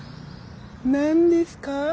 何ですか？